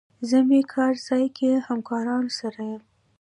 زه مې کار ځای کې همکارانو سره یم.